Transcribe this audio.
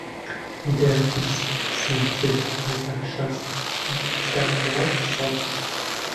دە، بیست، سی، چل، پەنجا، شەست، حەفتا، هەشتا، نەوەت، سەد.